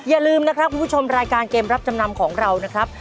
อย่าลืมนะครับคุณผู้ชมรายการเกมรับจำนำของเรานะครับ